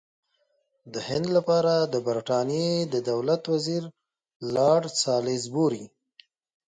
د هند لپاره د برټانیې د دولت وزیر لارډ سالیزبوري.